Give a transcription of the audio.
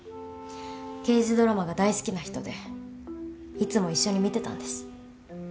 刑事ドラマが大好きな人でいつも一緒に見てたんです。